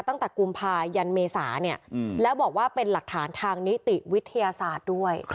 กุมภายันเมษาเนี่ยแล้วบอกว่าเป็นหลักฐานทางนิติวิทยาศาสตร์ด้วย